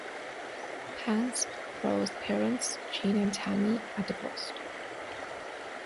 Hansbrough's parents, Gene and Tami, are divorced.